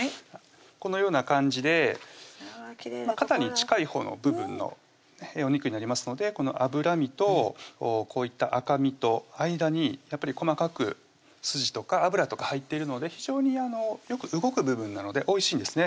このような感じで肩に近いほうの部分のお肉になりますのでこの脂身とこういった赤身と間にやっぱり細かく筋とか脂とか入ってるので非常によく動く部分なのでおいしいんですね